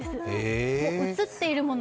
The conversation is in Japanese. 映っているもの